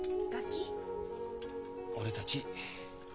俺たち。